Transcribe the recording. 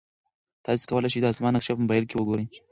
تاسي کولای شئ د اسمان نقشه په موبایل کې وګورئ.